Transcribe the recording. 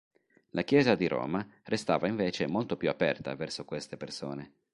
La Chiesa di Roma restava invece molto più aperta verso queste persone.